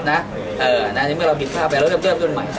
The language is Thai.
ก็ไม่มีใครแกล้งนะครับ